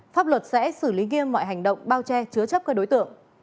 pháp luật sẽ xử lý nghiêm mọi hành động bao che chứa chấp các đối tượng